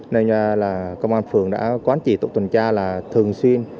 nên là công an phường đã quán trì tổ tuần tra là thường xuyên